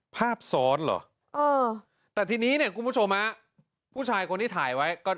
ภาพซ้อนเหรอแต่ทีนี้เนี่ยคุณผู้ชมฮะผู้ชายคนที่ถ่ายไว้ก็